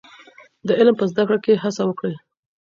د علم په زده کړه کي هڅه وکړئ.